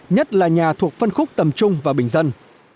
nhất là nhà thuộc phân khúc tầm trung và bình dân